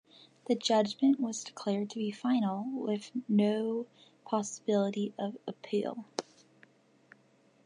The judgement was declared to be final with no possibility of appeal.